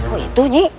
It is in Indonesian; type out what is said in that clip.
oh itu i